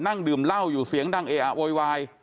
นั่งดื่มเหล้าอยู่เสียงดังเออะโวยวาย